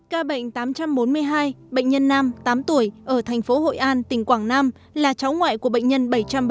ca bệnh tám trăm bốn mươi hai bệnh nhân nam tám tuổi ở thành phố hội an tỉnh quảng nam là cháu ngoại của bệnh nhân bảy trăm bảy mươi